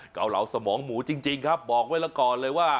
เกาเหลาสมองหมูจริงครับบอกไว้ละก่อนเลยว่า